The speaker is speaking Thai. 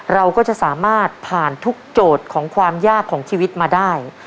เราก็จะสามารถผ่านทุกโจทย์ของความยากของชีวิตมาได้